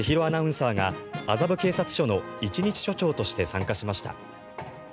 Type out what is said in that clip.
アナウンサーが麻布警察署の一日署長として参加しました。